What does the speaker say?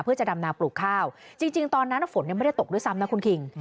เพื่อจะดำนาปลูกข้าวจริงตอนนั้นฝนยังไม่ได้ตกด้วยซ้ำนะคุณคิง